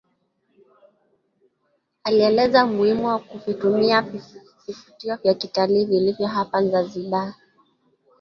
Alieleza umuhimu wa kuvitumia vivutio vya kitalii vilivyo hapa Zanzibar